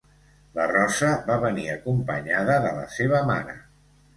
La Rosa va venir acompanyada de la seva mare